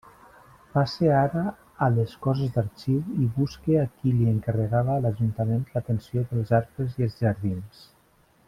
Passe ara a les coses d'arxiu i busque a qui li encarregava l'ajuntament l'atenció dels arbres i els jardins.